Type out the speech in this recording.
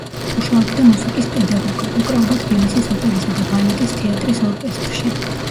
მუშაობდა მუსიკის პედაგოგად, უკრავდა თბილისის ოპერისა და ბალეტის თეატრის ორკესტრში.